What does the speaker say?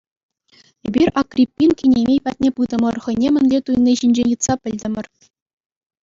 Эпир Акриппин кинемей патне пытӑмӑр, хӑйне мӗнле туйни ҫинчен ыйтса пӗлтӗмӗр.